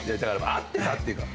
合ってたっていうか。